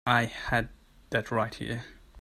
I had that right here.